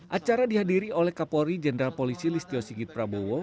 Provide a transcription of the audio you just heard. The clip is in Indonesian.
acara dihadiri oleh kapolri jenderal polisi listio sigit prabowo